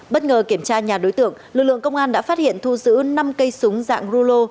bất ngờ kiểm tra nhà đối tượng lực lượng công an đã phát hiện thu giữ năm cây súng dạng rulo